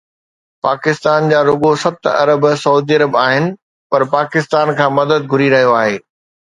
پاڪستان جا رڳو ست ارب سعودي عرب آهن پر پاڪستان کان مدد گهري رهيو آهي.